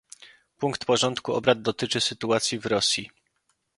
Punkt porządku obrad dotyczy sytuacji w Rosji